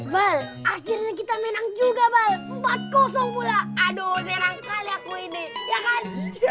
bal akhirnya kita menang juga bal empat pula aduh serang kali aku ini ya kan